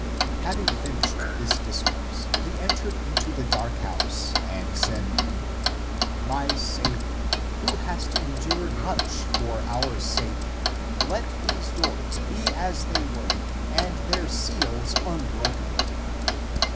Having finished this discourse, he entered into the dark house, and said, " My Saviour, who hast endured much for our sake, let these doors be as they were and their seals unbroken!"